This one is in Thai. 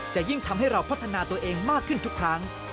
จะยิ่งทำให้เราพัฒนาตัวเองมากขึ้นทุกครั้ง